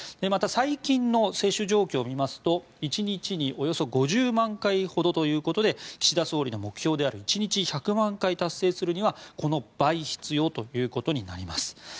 また最近の接種状況を見ますと１日におよそ５０万回ほどということで岸田総理の目標である１日１００万回達成するにはこの倍必要ということになります。